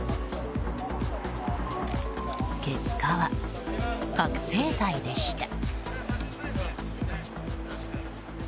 結果は、覚醒剤でした。